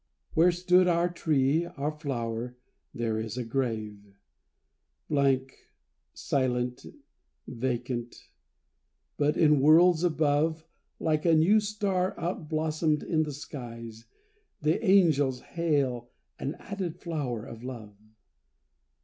Where stood our tree, our flower, there is a grave! Blank, silent, vacant, but in worlds above, Like a new star outblossomed in the skies, The angels hail an added flower of love.